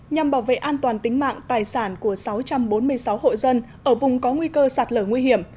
nhằm bảo vệ an toàn tính mạng tài sản của sáu trăm bốn mươi sáu hộ dân ở vùng có nguy cơ sạt lở nguy hiểm